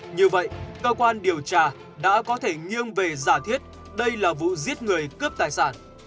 như vậy cơ quan điều tra đã có thể nghiêng về giả thiết đây là vụ giết người cướp tài sản